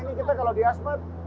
ini kita kalau di asmat